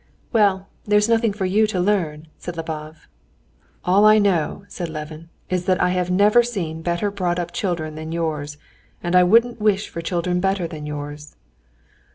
"Well, there's nothing for you to learn," said Lvov. "All I know," said Levin, "is that I have never seen better brought up children than yours, and I wouldn't wish for children better than yours."